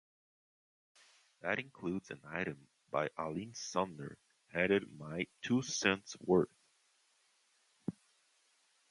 That includes an item by Allene Sumner, headed My "Two cents' worth".